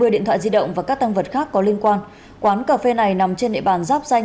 một mươi điện thoại di động và các tăng vật khác có liên quan quán cà phê này nằm trên nệ bàn giáp danh